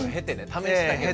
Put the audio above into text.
試したけど。